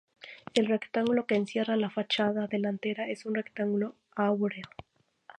El rectángulo que encierra la fachada delantera es un rectángulo áureo.